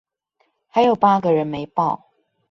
還有八個人沒報